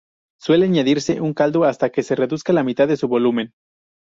Suele añadirse un caldo hasta que se reduzca a la mitad de su volumen.